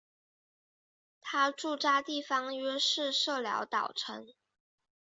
他驻扎地方约是社寮岛城。